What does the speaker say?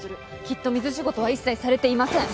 きっと水仕事は一切されていません。